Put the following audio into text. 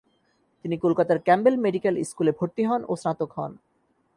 তিনি কলকাতার Campbell medical স্কুলে ভর্তি হন ও স্নাতক হন।